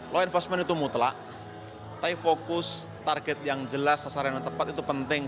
law enforcement itu mutlak tapi fokus target yang jelas sasaran yang tepat itu penting